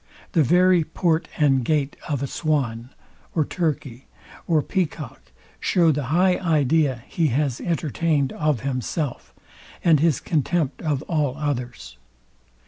The very port and gait of a swan, or turkey, or peacock show the high idea he has entertained of himself, and his contempt of all others.